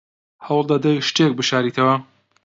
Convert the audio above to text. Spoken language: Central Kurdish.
هەوڵ دەدەیت شتێک بشاریتەوە؟